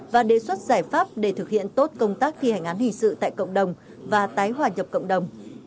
và đề xuất giải pháp để thực hiện tốt công tác thi hành án hình sự tại cộng đồng và tái hòa nhập cộng đồng